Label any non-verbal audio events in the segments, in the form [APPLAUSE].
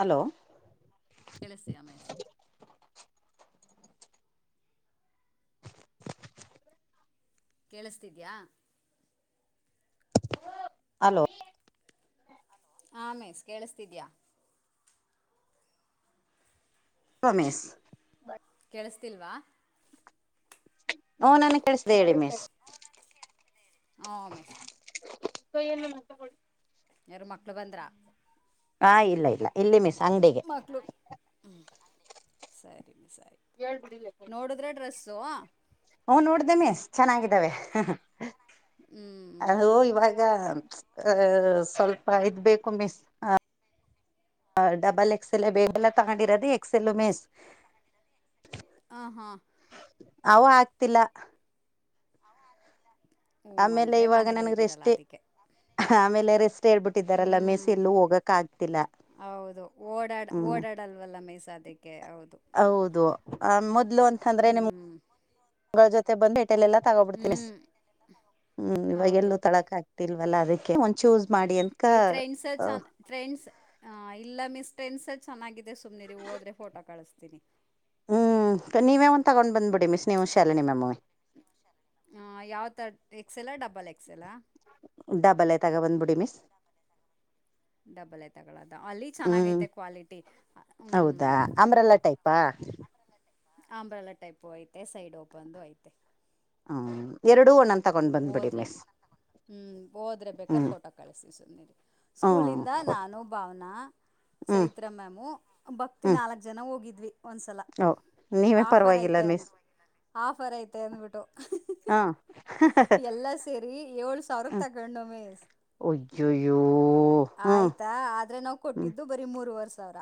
hello ಕೆಳಸ [INAUDIBLE] ಅಮೇಶ್ ಕೇಳಿಸ್ತಿದ್ಯಾ hello ಆ ಮೀಸ್ ಕೇಳಿಸ್ತಿದ್ಯಾ ರಮೇಶ್ ಕೇಳಿಸ್ಸ್ತಿಲ್ವಾ ಹ ನನಗ್ ಕಳಿಸ್ತಿದೆ ಹೇಳಿ ಮಿಸ್ ಹಾ ಮಿಸ್ [INAUDIBLE] ಕೈಯನ್ನು ಮಾತಾಡ ಯಾರು ಮಕ್ಳು ಬಂದ್ರಾ ಹಾ ಇಲ್ಲ ಇಲ್ಲ ಇಲ್ಲಿ ಮಿಸ್ ಅಂಗಡಿಗೆ ಹ್ಞೂ ಸರಿ ಮೀಸ್ ಆಯ್ತ್ ಎಳ್ಬಿಡಿ [UNINTELLIGIBLE] ಇದ್ರಾ ಡ್ರೆಸ್ಸೋ ಹ ನೋಡ್ದೇ ಮಿಸ್ ಚೆನ್ನಾಗಿದ್ದಾವೆ ಹ್ಞೂ ಅದು ಇವಾಗ ಈಗ ಅ ಸ್ವಲ್ಪ ಇದ್ಬೇಕು ಮಿಸ್ ಹ ಡಬಲ್ ಎಕ್ಸಲ್ ಬೇ ಎಲ್ಲ ತಗೊಂಡಿರದಿ ಎಕ್ಸಲ್ ಮಿಸ್ ಹಾಂ ಹಾಂ ಅವ ಆಗ್ತಿಲ್ಲ ಅವ ಆಗ್ತಿಲ್ಲ ಆಮೇಲೆ ಇವಾಗ ನನಗ ರೆಸ್ಟೇ ಆಮೇಲೆ ರೆಸ್ ಹ್ಞೂ ಹೇಳ್ಬಿಟ್ಟಿದಾರಲ್ಲ ಮಿಸ್ ಎಲ್ಲೂ ಹೋಗಕ್ ಆಗ್ತಿಲ್ಲ ಹ್ಮ್ ಅಲ್ವಲ್ಲ ಮಿಸ್ ಅದಕ್ಕೆ ಹೌದು ಹೌದು ಆ ಮೊದ್ಲು ಅಂತಂದ್ರೆ ಹ್ಞೂ ನಿಮ್ಗಳ ಜೊತೆ ಬಂದು ಅಲ್ಲೆಲ್ಲಾ ತಗೋಬಿಡ್ತಿ ಹ್ಞೂ ಮಿಸ್ ಹ್ಮ್ ಇವಾಗ ಹೌದು ಎಲ್ಲೂ ತಕಳ್ ಆ ಇಲ್ವಲ್ಲ ಅದಕ್ಕೆ ಒಂದ ಚೂಸ್ ಮಾಡಿ ಅಂತ್ [UNINTELLIGIBLE] ಏ ಟ್ರೈನ್ಸರ್ಚ್ ಆನ್ ಟ್ರೆಂಡ್ಸ್ ಇಲ್ಲ ಮಿಸ್ ಟ್ರೆಂಡ್ಸಲಿ ಚೆನ್ನಾಗಿದೆ ಸುಮ್ಮ್ನೆರಿ ಹೋದ್ರೆ ಫೋಟೋ ಕಳಿಸ್ತೀನಿ ಹ್ಞೂ ನೀವೇ ಒಂದ್ ತಗೊಂಡ್ ಬಂದ್ಬಿಡಿ ಮಿಸ್ ನೀವು ಶ್ಯಾಲಣಿ ಮಾಮ್ ವೆ ಯಾವ ತರ್ ಎಕ್ಸೆಲ್ಲಾ ಡಬ್ಬಲ್ ಎಕ್ಸೆಲ್ಲಾ ಡಬಲ್ ತಗೊ ಬಂದ್ಬಿಡಿ ಮಿಸ್ ಡಬ್ಬಲ್ ತಗೊಳ್ಳೋದ ಅಲ್ಲಿ ಹ್ಮ್ ಚೆನ್ನಾಗೈತೆ ಕ್ವಾಲಿಟಿ ಹ್ಮ್ ಹೌದಾ ಅಂಬ್ರೆಲ್ಲ ಟೈಪಾ ಆಂಬ್ರಳ ಟೈಪು ಐತೆ ಸೈಡ್ ಓಪನ್ದೂ ಐತೆ ಹ ಎರಡು ನನ್ ತಗೊಂಡ್ ಬಂದ್ಬಿಡಿ ಹೋದ್ರೆ ಮಿಸ್ ಹ್ಮ್ ಹೋದ್ರೆ ಬೇಕ್ರೆ ಹ್ಮ್ ಫೋಟೋ ಕಳಿಸತೀವಿ ಸುಮ್ನಿರಿ ಹ್ಮ್ ಸ್ಕೂಲಿಂದ ನಾನು ಭಾವನಾ ಹ್ಮ್ ಸಹಿತ್ ಮ್ಯಾಮು ಭಕ್ತಿ ಹ್ಮ್ ನಾಲ್ಕ್ ಜನ ಹೋಗಿದ್ವಿ ಒಂದ್ಸಲ ಓ ನೀವೇ ಪರವಾಗಿಲ್ಲ ಮಿಸ್ ಆಫರ್ ಐತೆ ಅಂದ್ಬಿಟ್ಟು ಹಾ ಎಲ್ಲ ಸೇರಿ ಏಳ್ ಸಾವಿರ ತಗೊಂಡು ಮಿಸ್ ಉಜ್ಜವ ಆಯ್ತಾ ಆದ್ರೆ ನಾವ್ ಕೊಟ್ಟಿದ್ದು ಬರಿ ಮೂರ್ರುವರ್ ಸಾವಿರ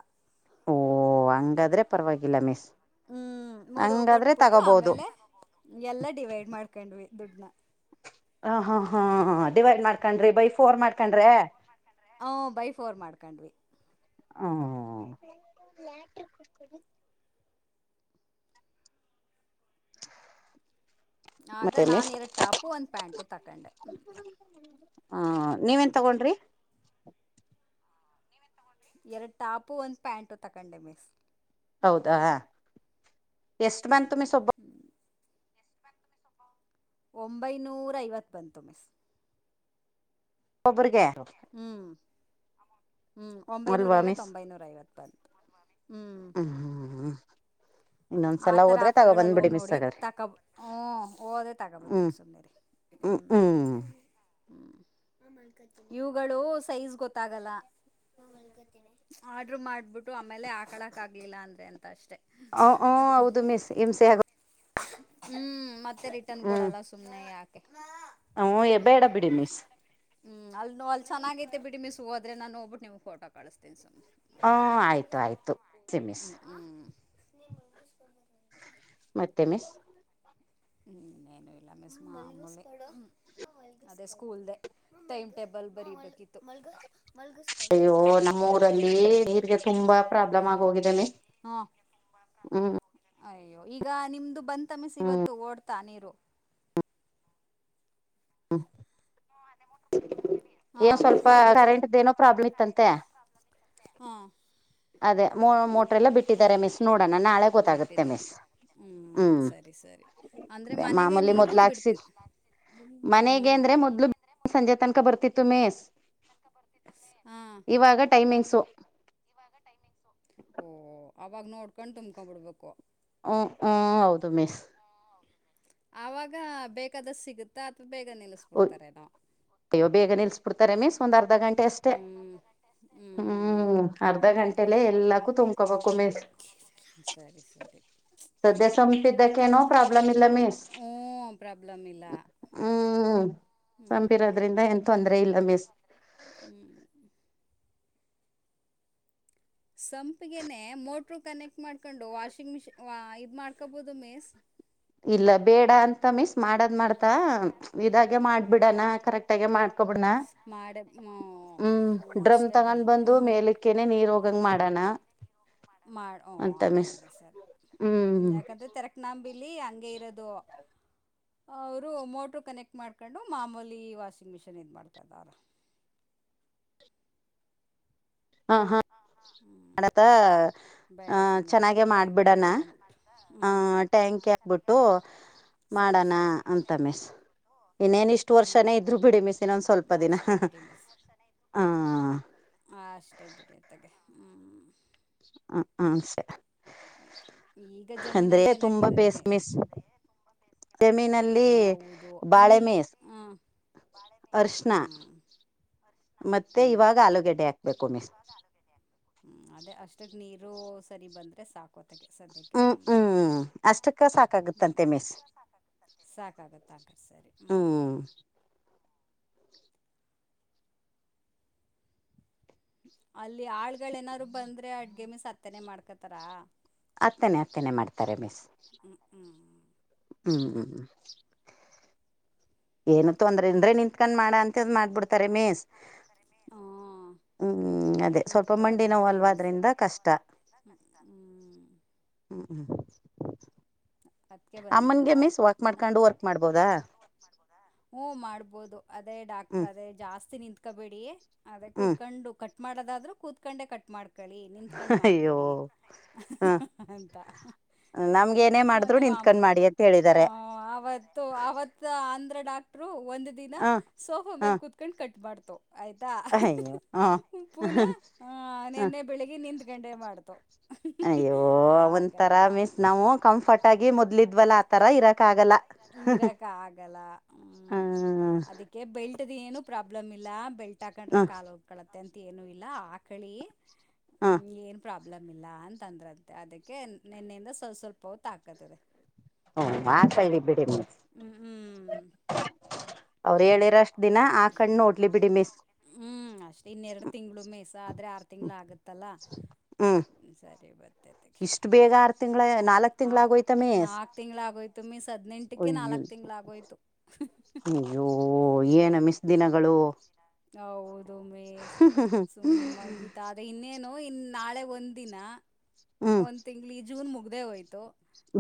ಓಹ ಹಂಗಾದ್ರೆ ಪರವಾಗಿಲ್ಲ ಮಿಸ್ ಹ್ಮ್ ಮೂರು ಹಂಗಾದ್ರೆ ಕೊಟ್ಬಿಟ್ಟು ತಗೋಬಹುದು ಆಮೇಲೆ ಎಲ್ಲ ಡಿವೈಡ್ ಮಾಡ್ಕೊಂಡ್ವಿ ದುಡ್ನ ಹ ಹ ಹಾ ಡಿವೈಡ್ ಮಾಡ್ಕೊಂಡ್ರಿ ಬೈ ಫೋರ್ ಮಾಡ್ಕೊಂಡ್ರೆ ಹ ಬೈ ಫೋರ್ ಮಾಡ್ಕೊಂಡ್ವಿ ಹ ಆಗ ಮತ್ತೆ ನಾನು ಮಿಸ್ ಇರಡು ಟಾಪು ಒಂದು ಪ್ಯಾಂಟು ತಕೊಂಡೆ ಹ ಹಾ ನೀವೇನ್ ತಗೊಂಡ್ರಿ ಎರಡು ಟಾಪು ಒಂದ ಪ್ಯಾಂಟು ತಕೊಂಡೆ ಮಿಸ್ ಹೌದಾ ಎಷ್ಟ ಮನ್ ತು ಸೊಬ್ಬ ಹ್ಮಞ [UNINTELLIGIBLE] ಒಂಬೈನೂರ ಐವತ್ತು ಬಂತು ಮಿಸ್ ಒಬ್ಬರಿಗೆ ಹ್ಮ್ ಹ್ಮ್ ಒಂಬೈನೂರ ಅಲ್ವಾ ಮಿಸ್ ಐವತ್ತೊಂಬೈನೂರ ಐವತ್ ಬ ಹ್ಮ್ ಹ್ಮ ಹ್ಮ್ಮ [UNINTELLIGIBLE] ಆತರ ಆಫರ್ ಗಳಲ್ಲಿ ಹೋಗಿ ಮಿಸ್ ನೋಡಿ ಹಾಗಾದ್ರೆ ತಕಬ ಹ ಹಓದೇ ಹ್ಮ್ ತಗೋಬತ್ತಿನಿ ಸುರಿ ಹ್ಮ್ ಹ್ಮ್ ಹ್ಮ ಇವುಗಳು ಸೈಜ್ ಗೊತ್ತಾಗಲ್ಲ ಆರ್ಡ್ರ ಮಾಡ್ಬಿಟ್ಟು ಆಮೇಲೆ ಆಕಳಕ್ ಆಗ್ಲಿಲ್ಲ ಅಂದ್ರೆ ಅಂತ ಅಷ್ಟೆ ಹ ಹ್ ಹೌದು ಮಿಸ್ ಹಮಂಸೆ ಆಗ ಹ್ಮ್ ಮತ್ತೆ ಮತ್ತೆ ರಿಟರ್ನ್ ಹ್ಮ್ ಕೊಡಲ್ಲ ಸುಮ್ನೆ ಯಾಕೆ ಹ್ಮ್ ಬೇಡ ಬಿಡಿ ಮಿಸ್ ಹ್ಮ್ ಅ ಅಲ್ಲಿ ಚೆನ್ನಾಗೈತೆ ಬಿಡಿ ಮಿಸ್ ಹೋದ್ರೆ ನು ಹೋಗಬಟ್ಟುಮ ಫೋಟೋ ಕಳಿಸತೀನ ಹ ಸುಮನೆ ಆಯ್ತು ಆಯ್ತು ಸಿ ಮಿಸ್ ಮನ್ಮ ಮತ್ತೆ ಮಿಸ್ ಹ್ಮ್ ನೇನು ಇಲ್ಲ ಮೆ ಸ ಮಾಡಿ ಅದೇ ಸ್ಕೂಲ್ ದ ಟೈಮ್ ಟೇಬಲ್ ಬರಿಬೇಕಿತ್ತು ನಮ್ಮ ಊರಲ್ಲಿ ನೀರ್ಗೆ ತುಂಬಾ ಪ್ರಾಬ್ಲಮ್ ಆಗಿ ಹೋಗಿದ್ದೇನೆ ಹಾಂ ಹ್ಮ್ ಅಯ್ಯೋ ಈಗ ನಿಮ್ದು ಬಂದ ತಮಸ ಇವತ್ತು ಓಡ್ತಾ ನೀರು ಹಾ [INAUDIBLE] ಮ [UNINTELLIGIBLE] ಏನ್ ಸ್ವಲ್ಪ ಕರೆಂಟ್ ಏನೋ ಪ್ರಾಬ್ಲಮ್ ಇತ್ತಂತೆ ಹಾಂ ಅದೇ ಮ ಲ್ಲ ಹ್ಞೂ ಬಿಟ್ಟಿದ್ದಾರೆ ಮಿಸ್ ನೋಡೋಣ ನಾಳೆ ಗೊತ್ತಾಗುತ್ತೆ ಬಿಟ್ಟಿದ್ದಾರೆ ಮಿಸ್ ಹ್ಞೂ ಹ್ಮ್ ಸರಿ ಸರಿ ಅಂದ್ರೆ ಅದೇ ಮ ಮಾಮೂಲಿ ನೀರು ಮೊದ್ಲು ಬಿಡ್ ಹಾಕ್ಸಿದ್ ಮನೆಗೆ ಅಂದ್ರೆ ಮೊದ್ಲು ಸಂಜೆ ತನಕ ಬರ್ತಿತ್ತು ಮೇಸ್ ಇವಾಗ ಟೈಮಿಂಗ್ಸು ಓಹ ಅವಾಗ ನೋಡ್ಕೊಂಡ್ ತುಂಬ್ಕೊ್ಬಿಡ್ಬೇಕು ಹ್ ಹ್ಮ್ ಹೌದು ಮಿಸ್ ಆಾಗ ಬೇಕಾದ ಸಿಗುತ್ತಾ ಅಥವಾ ಬೇಗ ನಿಲ್ಲಸ್ಬಿಡ್ತಾರೇನೋ ಅಯ್ಯ ಬೇಗ ನಿಲ್ಸ್ ಬಿಡ್ತ ರಮೇಶ್ ಒಂದ ಅರ್ಧ ಗಂಟೆ ಅಷ್ಟೇ ಹ್ಞೂ ಹ್ಞೂ ಹ್ಮ ಅರ್ಧ ಗಂಟೆ ಎಲ್ಲೂ ತ ಕಕ್ಕ ಮೆ ಸರಿ ಸರಿ ಸದ್ಯ ಹ್ಮ ಸಂಪಿದ್ದಕ್ಕೇನೋ ಪ್ರಾಬ್ಲಮ್ ಇಲ್ಲ ಮಿಸ್ ಹ್ಮ ಪ್ರಾಬ್ಲಮ್ ಇಲ್ಲ ಹ್ಮ್ ಹ್ಞೂ ಸಂಬಿರೋದ್ರಿಂದ ಏನ್ ತೊಂದರೆ ಇಲ್ಲ ಮಿಸ್ ಹ್ಮ್ ಸಂಪಿಗೆನೆೇ ಮೋಟ್ರು ಕನೆಕ್ಟ್ ಮಾಡ್ಕೊಂಡು ವಾಷಿಂಗ್ ಮಿಷಿನ್ ವ ಇದು ಮಾಡ್ಕೊಬೋದು ಮೀಸ್ ಇಲ್ಲ ಬೇಡ ಅಂತ ಮಿಸ್ ಮಾಡದ್ ಮಾಡ್ ಇದಾಗೆ ಮಾಡ್ಬಿಡನಾ ಕರೆಕ್ಟ್ಗೆ ಮಾಡ್ಕೊಬಿಡನಾ ಮಾಡೆ ಹ್ಞೂ ಹ್ಮ್ ಹ್ಞೂ ಡ್ರಮ್ ಅಷ್ಟೇ ತಗೊಂಡ್ ಬಿಡಿ ಬಂದು ಹ್ಞೂ ಮೇಲಿಕ್ಕೆ ಅಕನೆ ನೀರ್ ಹೋಗಂಗ ಮಾಡೋಣ ಮಾಡ ಓ ಹಂಗಾದ್ರೆ ಸರಿ ಹ್ಮ್ ಯಾಕಂದ್ರೆ ತೆರಕ್ನಾಂಬಿಲಿ ಹಂಗೆ ಇರೋದು ಅವರು ಮೋಟ್ರು ಕನೆಕ್ಟ್ ಮಾಡ್ಕೊಂಡು ಮಾಮೂಲಿ ವಾಷಿಂಗ್ ಮಿಷಿನ್ ಇದು ಮಾಡ್ಕದ್ರ ಹಾ ಹಾ ಹ್ಞೂ ನಡತಾ ಬೇಡ ಆಹ ಸುಮ್ಮನೆ ಚೆನ್ನಾಗೆ ಇನ್ನು ಟ್ಯಾಂಕೆ ಮಾಡ್ಬಿಡಣ ಹಾಕ್ಸ್ಕೊಂಡು ಆ ಹ್ಞೂ ಟ್ಯಾಂಕ್ ಹಾಕ್ಬಿಟ್ಟು ಸರಿ ಮಾಡಣ ಸರಿ ಅಂತ ಮಿಸಸ್ ಇನ್ನೇನ ಇಷ್ಟು ವರ್ಷನೇ ಹ್ಞೂ ಇದ್ರು ಬಿಡಿ ಮಿಸ್ ಇನ್ನೊಂದ್ ಸ್ವಲ್ಪ ದಿನ ಅಷ್ಟೇ ಬಿಡಿ ಹ ಹ ಅಷ್ಟಾಗ ಬಿಡಿತ್ತಗ ಹ್ಮ್ ಹ ಹ ಸರಿ ಈಗ ಅಂದ್ರೆ ಜಮೀನಲ್ಲಿ ಏನು ತುಂಬಾ ಹಾಕಿದ್ದಾರೆ ಬೇಸ್ ಮಿಸ್ ಜಮೀನಲ್ಲಿ ಬಾಳೆಮೀಸ್ ಬಾಳೆ ಮೇ ಹ್ಮ್ ಮತ್ತೆ ಇವಾಗ ಆಲೂಗೆಡ್ಡೆ ಹಾಕ್ಬೇಕು ಮಿಸ್ ಹ್ಮ್ ಅದೇ ಅಷ್ಟಕ್ ನೀರು ಸರಿ ಬಂದ್ರೆ ಸಾಕ ಕೊತೆಗೆ ಸದ್ಯಕ್ಕೆ ಹ್ಮ್ ಹ್ಮ್ ಅಷ್ಟಕ್ಕ ಹ್ಞ ಸಾಕಾಗುತ್ತಂತೆ ಮಿಸ್ ಸಾಕಾಗತ್ತ ಅಕರ್ ಸರಿ ಹ್ಮ್ ಅಲ್ಲಿ ಆಳ್ಗಳ ಏನಾರರು ಬಂದ್ರೆ ಅಡ್ಗೆಮಿ ಸ ಅತ್ತನೆೇ ಮಾಡ್ಕೊತಾರ ಹತ್ತನೇ ಹತ್ತನೇ ಮಾಡ್ತಾರೆ ಮಿಸ್ ಹ್ಮ್ ಹ್ಮ್ ಹ್ಮ್ ಹ್ಮ್ ಏನ ತೋದ್ರ ಅಂದ್ರೆ ನಿಂತ್ಕಂಡು ಮಾಡಾ ಅಂತ್ ಮಾಡ್ಬಿಡ್ತಾರೆ ಮೇಸ್ ಹಾಂ ಹ್ಮ್ ಅದೇ ಸ್ವಲ್ಪ ಮಂಡಿನೋವು ಕೂತ್ಕೊಳ್ಳೋದಾದರೆ ಅಲ್ವಾದ್ರಿಂದ ಕಷ್ಟ ಹ ಹ್ಮ ಹ್ಮ್ ಅದಕ್ಕೆ ಅಮ್ಮನ್ಗೆ ಬಂದಿದ್ರಾ ಮಿಸ್ ವಾಕ್ ಮಾಡ್ಕೊಂಡು ವರ್ಕ್ ಮಾಡ್ಬೋದಾ ಹ್ಮ ಮಾಡ್ಬೋದು ಅದೇ ಡಾಕ್ಟ್ರ ಹ್ಮ್ ಅದೇ ಜಾಸ್ತಿ ನಿತ್ಕೋಬೇಡಿ ಅದೇ ಹ್ಮ್ ಕೂತ್ಕೊಂಡು ಕಟ್ ಮಾಡದಾದ್ರೂ ಕೂತ್ಕೊಂಡೇ ಕಟ್ ಮಾಡ್ ಕಳಿ ನಿಂತ್ಕೊಂಡ್ ಅಯ್ಯೋ ಮಾಡಬಿಡಿ ಹ ಅಂತ ನಮ್ಗೆ ಏನೇ ಮಾಡಿದ್ರು ಅದೇ ನಿಂತ್ಕೊಂಡ್ ಮಾಮೂಲಿ ಮಾಡಿ ಅಂತ ಹ ಹೇಳಿದ್ದಾರೆ ಅವತ್ತು ಅವತ್ತು ಅಂದ್ರ ಡಾಕ್ಟ್ರು ಒಂದ್ ದಿನ ಹ ಸೋಫಾ ಹ ಮೇಲೆ ಕುೂತ್ಕೊಂಡ್ ಕಟ್ ಮಾಡ್ತವ ಆಯ್ತಾ ಅಯ್ಯೋ ಹ ಪುನಃ ಆ ಹ ನಿನ್ನೆ ಬೆಳಿಗ್ಗೆ ನಿಂದ ಗಂಮಾಡ್ತು ಯೋ ಒಂಥರಾ ಮೀನ್ಸ್ ನಾವು ಕಂಫರ್ಟ್ ಆಗಿ ಮೊದ್ಲಿದ್ವಲ್ಲ ಆತರ ಇರಕ್ ಆಗಲ್ಲ ದ ಹಾ ಕ ಬೆಲ್ಟ್ದ ಏನು ಪ್ರಾಬ್ಲಮ್ ಇಲ್ಲ ಬೆಲ್ಟ್ ಹಾಕೊಂಡ್ರೆ ಕಾಾಲ ಹೋಗಿ ಕಳತ್ತೆ ಅಂತ ಏನು ಇಲ್ಲ ಆಕಳಿ ಹ್ಮ್ ಏನ್ ಪ್ರಾಬ್ಲಮ್ ಇಲ್ಲ ಅಂತಂದ್ರಂತೆ ಅದಕ್ಕೆ ನಿೆನ್ನೆಯಿಂದ ಸ್ವಲ್ ಸ್ವಲ್ಪ ಹೊತ್ತು ಹಾಕತದೆ ಹ್ಮ್ ಹಾಕಳ್ಳಿ ಬಿಡಿ ಮಿಸ್ ಹ್ಮ್ ಹ್ಮ್ ಅವ್ರು ಹೇಳಿರಷ್ಟ ದಿನ ಆ ಕಣ್ಣು ಓಡ್ಲಿ ಬಿಡಿ ಮೇಸ ಹ್ಮ್ ಅಷ್ಟೇ ಇನ್ನೆರಡ್ ತಿಂಗ್ಳ ಮೇಯ್ಸ ಆದ್ರೆ ಆರ್ ತಿಂಗ್ಳ ಆಗತ್ತಲ್ಲ ಹಾಂ ಸರಿ ಬತ ತಿಂಗಳ ನಾಲ್ಕ್ ತಿಂಗ್ಳ ಆಗೋಯ್ತ ಮಿಸ್ ನಾಕ್ ತಿಂಗಳ ಆಗೋಯ್ತು ಮೀ ಹದ್ಂ ಟ್ಟಟಿಕೆ ನಾಲ್ಕು ತಿಂಗಳ ಆಾಗೋಯ್ತು ನೀಯ್ಯೋ ಏನು ಮಿಸ್ ದಿನಗಳು ಹೌದು ಮೇ ಹ್ಮ್ ಹ್ಮ್ ಸುಮ್ಮಾಗಿ ತ ಅದೇ ಇನ್ನೇನು ಇನ್ ನಾಳೆ ಒಂದ ದಿನ ಹ್ಮ್ ಒಂದು ತಿಂಗ್ಳ ಈ ಜೂನ್ ಮುಗ್ದೇ ಹೋಯ್ತು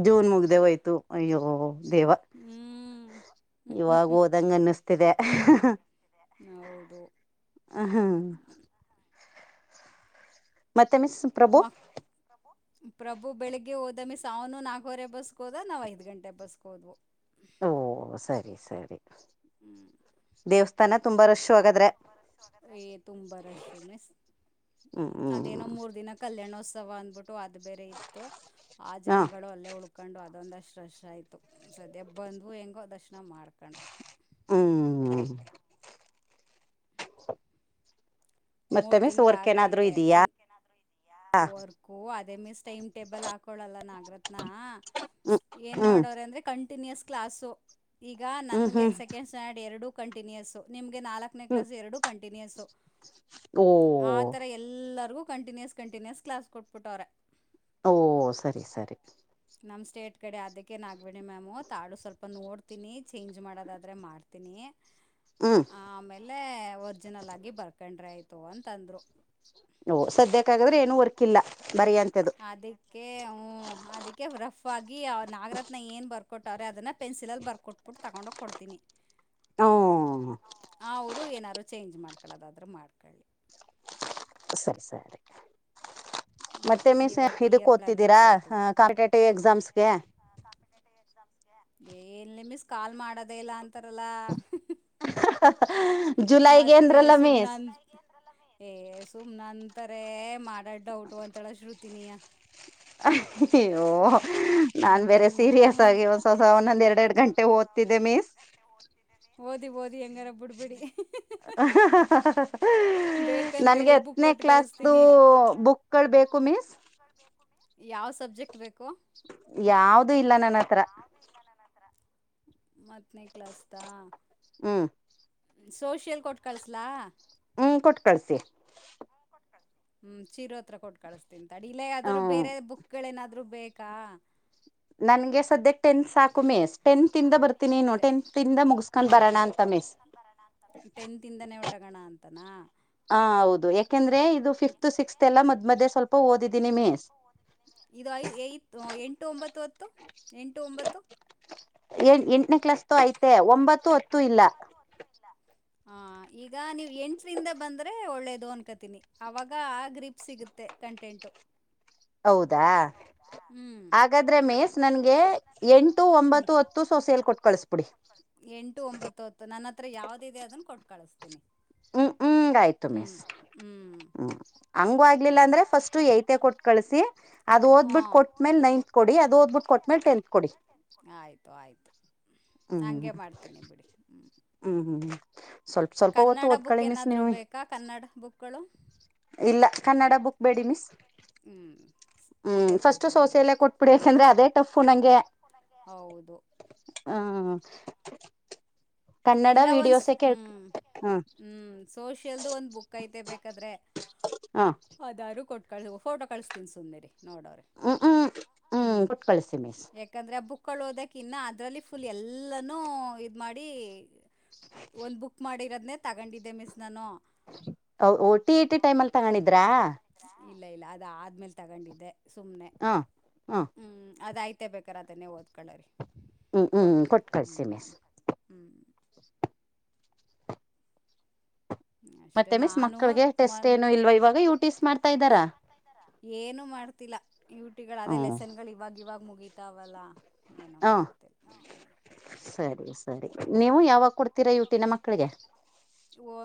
ಜೂನ್ ಮುಗ್ದೇವೋಯ್ತು ಅಯ್ಯೋ ದೇವ ಹ್ಮ್ ಇವಾಗ ಓೋದಂಗ ಅನ್ನಿಸ್ತಿದೆ ಹೌದು ಹ ಹಾ ಮತ್ತೆ ಮ ಮತ್ತ ಪ್ರಭು ಪ್ರಭು ಬೆಳಿಗ್ಗೆ ಹೋದಮ್ಮಿ ಸಾವನು ನಾಕವರೆ ಬಸ್ಕೋದ ನಾವ್ ಐದ್ ಗಂಟೆ ಬಸ್ಕ ಹೋದ್ವು ಓ ಸರಿ ಸರಿ ದೇವಸ್ಥಾನ ತುಂಬಾ ರಶ್ ಹಾಗಾದ್ರೆ ಂಬ ತುಂಬಾ ರಶ್ು ಮಿಸ್ ಹ್ಮ್ ಹ್ಮ್ ಅದೇನೋ ಮೂರ್ ದಿನ ಕಲ್ಯಾಣೋತ್ಸವ ಅಂದ್ಬಿಟ್ಟು ಅದು ಬೇರೆ ಇತ್ತು ಆ ಹಾ ಜನಗಳು ಅಲ್ಲೇ ಹುಡುಕ್ ಹಾಕ್ಕೊಂಡು ಅದೊಂದಷ್ಟು ರಶ ಆಯಿತು ಸದ್ಯ ಬಂದವು ಹೆಂಗೋ ದರ್ಶನ ಮಾಡ್ಕೊಂಡು ಹ್ಮ ಹ್ಮ್ ಮತ್ತೆ ಮೂರ್ ಮಿಸ್ ತಿಂಗಳ ವರ್ಕ್ ಏನಾದ್ರು ಆಗ್ೈತೆ ಇದೀಯಾ ಹೂ ಅದೇ ಮೀಸ್್ ಟೈಮ್ ಟೇಬಲ್ ಹಾಕೋಳಲ್ಲ ನಾಗರತ್ನ ಹ್ಮ್ ಏನ್ ಹ್ಮ್ ಮಾಡೋರೆ ಅಂದ್ರೆ ಕಂಟಿನ್ಯೂಸ್ ಕ್ಲಾಸು ಈಗ ಹ್ಮ್ ನನಗೆ ಹ್ಮ್ ಸೆಕೆಂಡ್ ಸ್ಟ್ಯಾಂಡರ್ಡ್ ಎರಡೂ ಕಂಟಿನ್ಯೂಸು ನಿಮಗೆ ನಾಲ್ಕನೇ ಹ್ಮ್ ಕ್ಲಾಸ್ ಎರಡು ಕಂಟಿನ್ಯೂಸು ಓ ಆಥರ ಎಲ್ಲರಿಗೂ ಕಂಟಿನ್ಯೂಸ್ ಕಂಟಿನ್ಯೂಸ್ ಕ್ಲಾಸ್ ಕೊಟ್ಬಿಟ್ಟವ್ರ ಓ ಸರಿ ಸರಿ ನಮ್ಮ ಸ್ಟೇಟ್ ಕಡೆ ಅದಕ್ಕೇನು ಆಾಗಬೇಡಿ ಮ್ಯಾಮು ತಾಡು ಸ್ವಲ್ಪ ನೋಡ್ತೀನಿ ಚೇಂಜ್ ಮಾಡೋದಾದ್ರೆ ಮಾಡ್ತೀನಿ [UNINTELLIGIBLE] ಹ್ಮ್ ಆಮೇಲೆ ಒರ್ಜಿನಲ್ ಆಗಿ ಬರ್ಕೊಂಡ್ರೆ ಆಯ್ತು ಅಂತಂದ್ರು ಓ ಸದ್ಯಕ್ಕಗದ್ರೆ ಏನುೂ ವರ್ಕ್ ಇಲ್ಲ ಮರಿಂತದ್ದು ಕೆ ಅದಕ್ಕೆ ರಫ್ ಆಗಿ ನಾಗರತ್ನ ಏನು ಬರ್ಕೊಟ್ಟವ್ರೆ ಅದನ್ನ ಪೆನ್ಸಿಲಲ್ಲಿ ಬರ್ಕೊಟ್ಟ ಪ್ಪಿಟ್ಟು ತೊಗೊಂಡೋಗಿ ಕೊಡ್ತೀನಿ ಹ್ಮ್ ಅವರು ಏನಾರರು ಚೇಂಜ್ ಮಾಡ್ಕಳದಾದ್ರರು ಮಾಡ್ಕೊಳ್ಳಿ ಸರಿ ಸರಿ ಹ್ಮ್ ಮತ್ತೆ ಮೀಸ್ ಇವತ್ತು ಇದಕ್ ಇಯರ್ ಪ್ಲಾನ್ಗಳು ಓದ್ತಿದ್ದೀರಾ ಕಾಂಪಿಟೇಟಿವ್ ಎಕ್ಸಾಮ್ಸ್ಗೆ ಎಸ್ ಏನ್ ನಿಮಿಸ ಕಾಲ್ ಮಾಡೋದೇ ಇಲ್ಲ ಅಂತಾರಲ್ಲ ಜುಲೈಗೆ ಮತ್ತೆ ಏಂದ್ರಲ್ಲ ಮೀಸ್ ಸುಮ್ನಂತ ಏ ಸುಮ್ನ ಅಂತಾರೆ ಮಾಡಾಡ್ಡೌಟು ಅಂತೇಳ ಶ್ರುತಿನಿಯ ಅಯ್ಯೋ ನಾನ್ ಬೇರೆ ಸೀರಿಯಸ್ ಆಗಿ ಒಂದ್ಸವಸ ಒಂದೊಂದ್ ಎರಡ್ ಎರಡ್ ಗಂಟೆ ಓದ್ತಿದ್ದೆ ಮೀಸ್ ಓದಿ ಓದಿ ಹೆಂಗಾರ ಬಿಡ್ಬಿಡಿ ಬೇಕಂದ್ರೆ ಹೇಳಿ ನನ್ಗೆ ಬುಕ್ [INAUDIBLE] ನೆ ಕೊಟ್ಟು ಕ್ಲಾಸ್ ಕಳಿಸ್ತೀನಿ ಬುಕ್ಗಳು ಬೇಕು ಮೀಸ್ ಯಾವ ಸಬ್ಜೆಕ್ಟ್ ಬೇಕು ಯಾವ್ದ ಇಲ್ಲ ನನ್ನ ಹತ್ರ ಹತ್ರ ಮತ್ನ ಕಲಾಸ್ ಹೂ ಸೋಷಿಯಲ್ ಕೊಟ್ ಕಳಸಲಾ ಹ್ಮ ಕೊಟ್ಟು ಕಳ್ಸಿಸಿ ಹ್ಮ್ ಚೀರ ಹತ್ರ ಕೊಟ್ಟು ಕಳಸ್ತನ್ಂತಡಿ ಇಲ್ಲೇ ಆದದರರು ಹ್ಮ್ ಬೇರೆ ಬುಕ್ಗಳೇಏನಾದ್ರು ಬೇಕಾ ನನ್ಗೆ ಸದ್ಯ ಟೆಂತ್ ಸಾಕು ಮೇಸ್ ಟೆಂತ್ಂದ ಬರ್ತೀನಿ ಟೆಂತ್ಂದ ಮುಗಸ್ಕೊಂಡ್ ಬರೋಣ ಅಂತ ಮೇಸ್ ಬರಣ ಅಂತ ಟೆಂತ್ ಇಂದಾನೇ ಒಟಗೋಣ ಅಂತಾನ ಹ ಹೌದು ಯಾಕೆಂದ್ರೆ ಇದು ಫಿಫ್ತ್ ಸಿಕ್ಸ್ತ್ ಎಲ್ಲ ಮದ್ ಮದೆ ಸ್ವಲ್ಪ ಓದಿದ್ದೀನಿ ಮೇಸ್ ಇದು ಐ ಎಂಟು ಒಂಬತ್ತು ಹತ್ತು ಎಂಟು ಒಂಬತ್ತು ಎ ಎಂಟನೇ ಕ್ಲಾಸ್ ತೋ ಅಯ್ತೆ ಒಂಬತ್ತು ಹತ್ತು ಇಲ್ಲ ಅಲ್ಲ ಹ ಈಗ ನೀವು ಎಂಟರಿಂದ ಬಂದ್ರೆ ಒಳ್ಳೇದು ಅನ್ಕತೀನಿ ಅವಾಗ ಗ್ರಿಪ್ ಸಿಗುತ್ತೆ ಕಂಟೆಂಟು ಹೌದಾ ಹೌದಾ ಹಾಗಾದ್ರೆ ಮೇಸ್ ಹಾಗಾದ್ರೆ ನನ್ಗೆ ಮೇಸ್ ನನ್ಗೆ ಎಂಟು ಒಂಬತ್ತು ಎತ್ತು ಹತ್ತು ಒಂಬತ್ತು ಸೊಸೆಲ್ ಕೊಟ್ ಕಳ್ಸ್ಬಿಡಿ ಹತ್ತು ಎಂಟು ಒಂಬತ್ತು ಹತ್ತು ನನ್ನ ಹತ್ರ ಯಾವ್ದಿದೆ ಅದನ್ನ ಕೊಟ್ಟು ಕಳಿಸತೀನಿ ಹ್ಮ್ ಹ್ಮ ಆಯ್ತು ಮೀಸ್ ಹ್ಮ್ ಹಂಗು ಆಗ್ಲಿಲ್ಲ ಹ್ಞೂ ಅಂದ್ರೆ ಫಸ್ಟ್ ಐತೆ ಕೊಟ್ಟು ಕಳಸಿ ಅದು ಓದ್ಬ ಬಿಟ್ಟ ಹಾಂ ಕೊಟ್ಟ್ಮೇಲೆ ನೈಂತ್ ಕೊಡಿ ಅದು ಓದ್ಬಿಟ್ಟ ಕೊಟ್ಟ್ಮೇಲೆ ಟಲ್ತ್ ಕೊಡಿ ಆಯ್ತು ಆಯ್ತು ಹ್ಮ್ ಹಗೆ ಮಾಡ್ತೀನಿ ಬಿಡಿ ಹ್ಮ ಹ್ಮ್ ಹ್ಮ್ ಸ್ವಲ್ಪ ಸ್ವಲ್ಪ ಕನ್ನಡ ಬುಕ್ ಓದ್ಕೊಳ್ಳಿ ಮಿಸ್ ಏನಾದ್ ನೀವು ಬೇಕಾ ಕನ್ನಡ ಬುಕ್ಗಳು ಇಲ್ಲ ಕನ್ನಡ ಬುಕ್ ಬೇಡಿ ಮಿಸ್ ಹ್ಮ್ ಹ್ಮ್ ಫಸ್ಟ್ ಸೋಸೆಯಲ್ಲೇ ಕೊಟ್ಬಿಡಿಾಕಂದ್ರೆ ಅದೇ ಟಫು ನಂಗೆ ಹೌದು ಹಾ ಕನ್ನಡ ವೀಡಿಯೋಸ್ ಎಳ್ ಹಾ ಹ್ಮ್ ಸೋಷಿಯಲ್ದು ಒಂದ್ ಬುಕ್ ಐತೆ ಬೇಕಾದ್ರೆ ಹಾ ಅದಾದಾರರು ಕೊಟ್ ಕಳಸ ಫೋಟೋ ಕಳಸ್ತಿನಿ ಸುಮೀರಿ ನೋಡವ್ರರಿ ಹ್ಮ್ ಹ್ಮ್ ಹ್ಮ್ ಕೊಟ್ ಕಳ್ಸಿ ಮಿಸ್ ಎ ಯಾಕಂದ್ರೆ ಆ ಬುಕ್ಗಳು ಓದಕ ಇನ್ನ ಅದರಲ್ಲಿ ಫುಲ್ ಎಲ್ಲನೂ ಇದ ಮಾಡಿ ಒಂದ್ ಬುಕ್ ಮಾಡಿರೋದನೆ ತಗೊಂಡಿದ್ದೆ ಮಿಸ್ ನಾನು ಓಟಿ ಟಿ ಟೈಮ ಅಲ್ಲಿ ತಗೊಂಡಿದ್ರಾ ಇಲ್ಲ ಇಲ್ಲ ಅದ ಆದ್ಮೇಲ್ ತಗೊಂಡಿದ್ದೆ ಸುಮ್ನೆ ಹಾ ಹಾ ಹ್ಮ್ ಅದಾಯ್ತು ಮತ್ತೆ ಬೇಕಾರ ಅದನ್ನೇ ಓದ್ಕೊಳ್ಳ ರೀ ಹ್ಞೂ ಹ್ಞೂ ಕೊಟ್ಟು ಕಳಿಸಿ ಮಿಸ್ ಹ್ಮ್ ಅಷ್ಟೆ ಮತ್ತೆ ಮಿಸ್ ನಾನು ಮಕ್ಕಳಿಗೆ ಮ ಟೆಸ್ಟ್ [UNINTELLIGIBLE] ಏನು ಇಲ್ವಾ ಇವಾಗ ಯು ಟಿಸ್ ಮಾಡ್ತಾ ಇದ್ದಾರಾ ಏನು ಮಾಡ್ತಿಲ್ಲ ಯುಟಿಗಳು ಅದೇ ಹ್ಮ್ ಲೆಸನ್ಗಳು ಇವಾಗ ಇವಾಗ ಮುಗಿತಾವಲ್ಲ ಏನು ಹ ಮಾಡ್ತೀವಿ ಹ ಸರಿ ಸರಿ ನೀವು ಯಾವಾಗ ಕೊಡ್ತೀರಾ ಇವಟಿನ ಮಕ್ಕಳಿಗೆ ಓ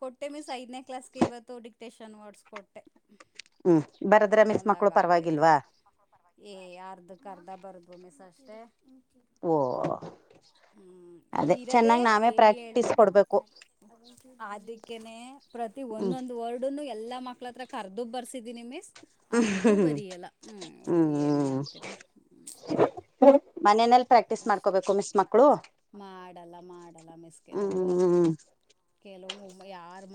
ಕೊಟ್ಟೆ ಮಿಸ್ ಐದನೇ ಕ್ಲಾಸ್ಗೆ ಇವತ್ತು ಡಿಕ್ಟೇಷನ್ ವರ್ಡ್ಸ್ ಕೊಟ್ಟೆ ಹ್ಮ್ ಬರದ್ರೆ ಮಿಸ್ ಒಂದೊಂದಾಗ ಮಕ್ಳು ಆಗ್ಲಿ ಅದೆ ಪರವಾಗಿಲ್ವಾ ಏ ಅರ್ಧ ಅರ್ಧ ಬರ್ಗು ಮ ಸಷ್ಟ ಓ ಹ್ಮ್ ಅದೇ ಅಲ್ಲಿ ಇರದೆ ಚೆನ್ನಾಗ್ ನಾವೇ ಏು ಪ್ರಾಕ್ಟೀಸ್ ಕೊಡ್ಬೇಕು ಅದಕ್ಕನೆ ಪ್ರತಿ ಹ್ಮ್ ಒಂದೊಂದು ವರ್ಡ್ನು ಎಲ್ಲಾ ಮಕ್ಳ ತ್ರ ಕರ್ದುಬ್ ಬರ್ಸಿದ್ದೀನಿ ಮಿಸ್ ಹಂಗೂ ಹ್ಮ್ ಬರಿಯಲ್ಲ ಹ ಏನ್ ಮಾಡ್ತೀರಾ ಮನಲ್ ಪ್ರಾಕ್ಟೀಸ್ ಅಷ್ಟ ಮಾಡ್ಕೋಬೇಕು ಮಿಸ್ ಮಕ್ಳು ಮಾಡಲ್ಲ ಮಾಡಲ್ಲ ಮಿಸ್ ಕೆಲವು ಹ್ಮ್ ಕೆಲವು ಯಾರ